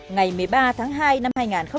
ngày một mươi ba tháng hai năm hai nghìn một mươi năm